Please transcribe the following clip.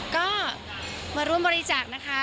ก็มาร่วมบริจาคนะคะ